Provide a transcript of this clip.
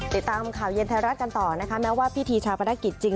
ติดตามข่าวเย็นไทยรัฐกันต่อนะคะแม้ว่าพิธีชาปนกิจจริง